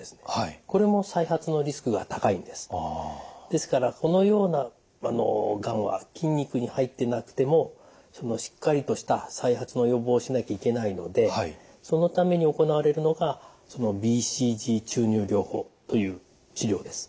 ですからこのようながんは筋肉に入ってなくてもしっかりとした再発の予防をしなきゃいけないのでそのために行われるのがＢＣＧ注入療法という治療です。